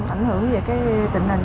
ảnh hưởng về cái tình hình